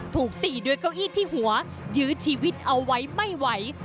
ถูกตีด้วยเก้าอี้ที่หัวยื้อชีวิตเอาไว้ไม่ไหว